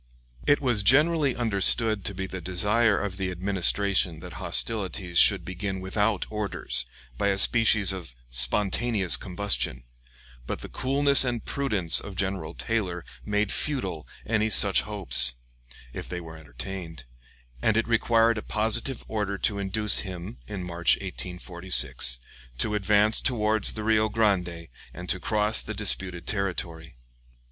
It was generally understood to be the desire of the Administration that hostilities should begin without orders, by a species of spontaneous combustion; but the coolness and prudence of General Taylor made futile any such hopes, if they were entertained, and it required a positive order to induce him, in March, 1846, to advance towards the Rio Grande and to cross the disputed territory.